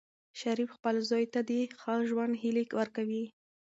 شریف خپل زوی ته د ښه ژوند هیلې ورکوي.